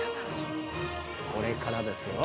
◆これからですよ。